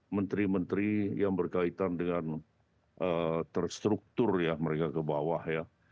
menteri menteri yang berkaitan dengan terstruktur ya mereka ke bawah ya